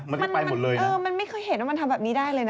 มันก็ไปหมดเลยนะเออมันไม่เคยเห็นว่ามันทำแบบนี้ได้เลยนะ